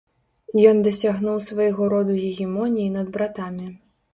Ён дасягнуў свайго роду гегемоніі над братамі.